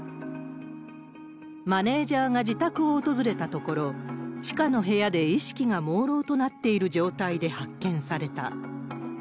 マネージャーが自宅を訪れたところ、地下の部屋で意識がもうろうとなっている状態で発見された。